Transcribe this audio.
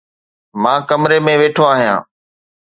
مان ڪمري ۾ ويٺو آهيان